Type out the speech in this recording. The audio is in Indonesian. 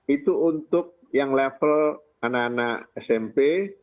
itu untuk yang level anak anak smp